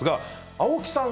青木さん